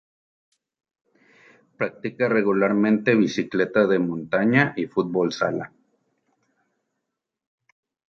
Practica regularmente Bicicleta de montaña y futbol sala.